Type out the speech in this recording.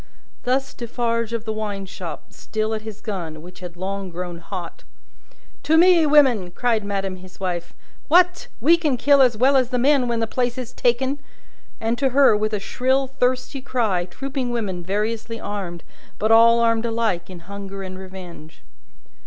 Thus Defarge of the wine shop, still at his gun, which had long grown hot. "To me, women!" cried madame his wife. "What! We can kill as well as the men when the place is taken!" And to her, with a shrill thirsty cry, trooping women variously armed, but all armed alike in hunger and revenge.